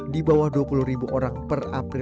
di bawah dua puluh ribu orang per april